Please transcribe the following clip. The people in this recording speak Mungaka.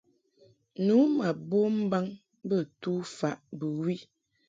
Nu ma bom mbaŋ bə tufaʼ bɨwi.